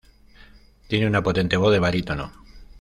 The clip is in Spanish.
Tiene una potente voz de barítono.